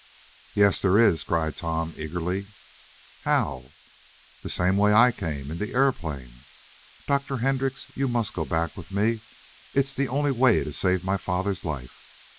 "Yes, there is!" cried Tom, eagerly. "How?" "The same way I came in the aeroplane! Dr. Hendrix you must go back with me! It's the only way to save my father's life.